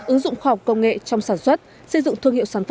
ứng dụng khoa học công nghệ trong sản xuất